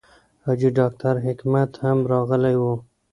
حاجي ډاکټر حکمت هم راغلی و.